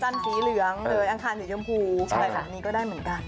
สีเหลืองหรืออังคารสีชมพูอะไรแบบนี้ก็ได้เหมือนกัน